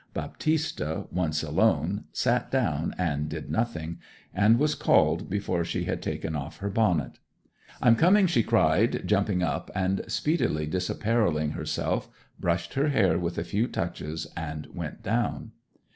Baptista, once alone, sat down and did nothing; and was called before she had taken off her bonnet. 'I'm coming,' she cried, jumping up, and speedily disapparelling herself, brushed her hair with a few touches and went down.